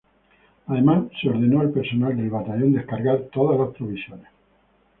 Además, se ordenó al personal del batallón descargar todas las provisiones.